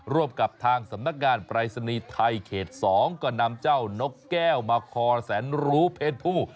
ร่วมกับทางสำนักงานปรายศนีย์ไทยเขต๒ก็นำเจ้านกแก้วมาคอแสนรู้เพศผู้